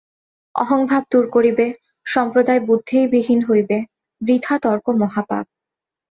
অহংভাব দূর করিবে, সম্প্রদায়-বুদ্ধিবিহীন হইবে, বৃথা তর্ক মহাপাপ।